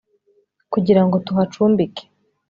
kugira ngo tuhacumbike